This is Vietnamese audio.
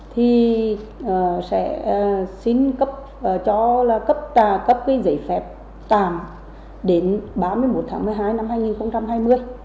thì sẽ xin cấp giấy phép tạm đến ba mươi một tháng một mươi hai năm hai nghìn hai mươi